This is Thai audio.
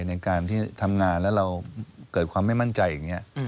ในการที่ทำงานแล้วเราเกิดความไม่มั่นใจอย่างนี้